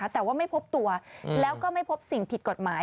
แต่ว่าไม่พบตัวแล้วก็ไม่พบสิ่งผิดกฎหมาย